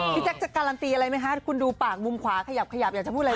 พี่แจ๊กจะการันตีอะไรมั้ยคะคุณดูปากมุมขวาขยับอยากจะพูดอะไร